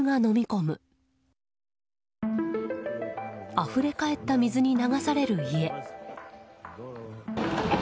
あふれ返った水に流される家。